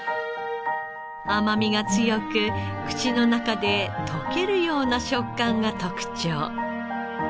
甘みが強く口の中で溶けるような食感が特長。